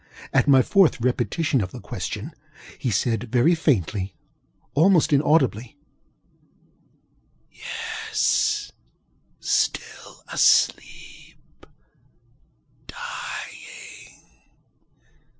At my fourth repetition of the question, he said very faintly, almost inaudibly: ŌĆ£Yes; still asleepŌĆödying.